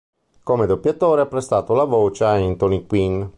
Come doppiatore ha prestato la voce a Anthony Quinn.